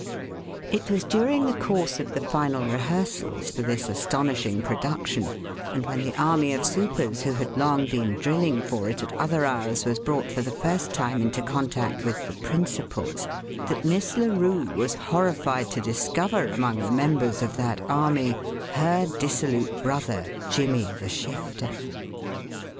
It was during the course of the final rehearsals for this astonishing production, and when the army of supers who had long been drilling for it at other hours was brought for the first time into contact with the "principals," that Miss Larue was horrified to discover among the members of that "army" her dissolute brother, "Jimmy the Shifter."